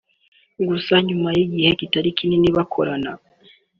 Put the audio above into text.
Gusa nyuma y’igihe kitari kinini bakorana